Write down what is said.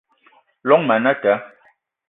Llong ma anata